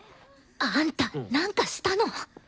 あんたなんかしたの？